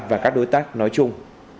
và các đối tác nói chung